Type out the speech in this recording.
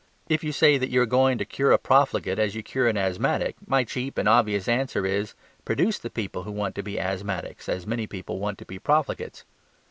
If you say that you are going to cure a profligate as you cure an asthmatic, my cheap and obvious answer is, "Produce the people who want to be asthmatics as many people want to be profligates."